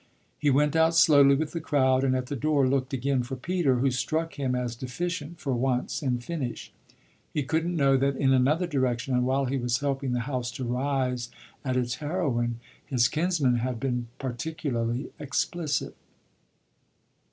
He went out slowly with the crowd and at the door looked again for Peter, who struck him as deficient for once in finish. He couldn't know that in another direction and while he was helping the house to "rise" at its heroine, his kinsman had been particularly explicit.